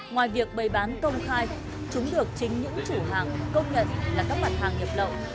ngoài việc bày bán công khai chúng được chính những chủ hàng công nhận là các mặt hàng nhập lậu